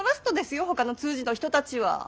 ほかの通詞の人たちは。